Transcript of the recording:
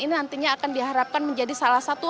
ini nantinya akan diharapkan menjadi salah satu